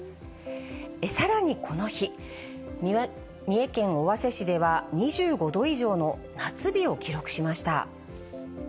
さらにこの日、三重県尾鷲市では、２５度以上の夏日を記録しました。